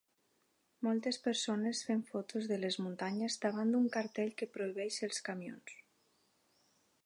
moltes persones fent fotos de les muntanyes davant d'un cartell que prohibeix els camions